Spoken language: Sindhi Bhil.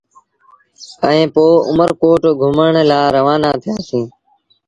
ائيٚݩ پو اُمر ڪوٽ گھمڻ لآ روآنآ ٿيٚآسيٚݩ۔